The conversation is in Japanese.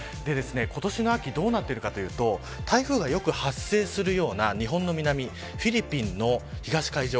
今年の秋どうなっているかというと台風がよく発生するような日本の南フィリピンの東の海上